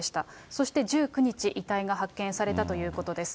そして、１９日、遺体が発見されたということです。